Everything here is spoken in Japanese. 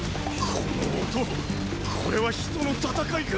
この音これは人の戦いか？